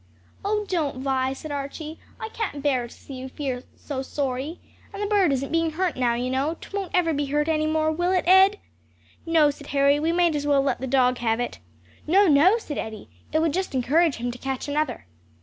"Oh don't, Vi!" said Archie, "I can't bear to see you feel so sorry. And the bird isn't being hurt now, you know; 'twon't ever be hurt any more; will it, Ed?" "No," said Harry, "we might as well let the dog have it." "No, no!" said Eddie, "it would just encourage him to catch another."